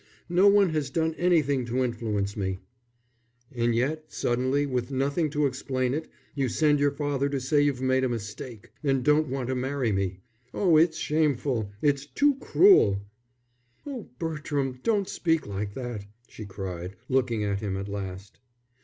"No one has done anything to influence me." "And yet, suddenly, with nothing to explain it, you send your father to say you've made a mistake; and don't want to marry me. Oh, it's shameful, it's too cruel." "Oh, Bertram, don't speak like that," she cried, looking at him at last.